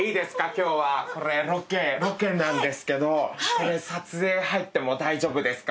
今日はこれロケなんですけど撮影入っても大丈夫ですか？